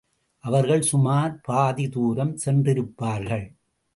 அவர்கள் சுமார் பாதி தூரம் சென்றிருப்பார்கள்.